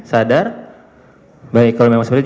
sadar baik kalau memang seperti itu